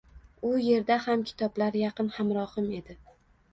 U yerda ham kitoblar yaqin hamrohim edi.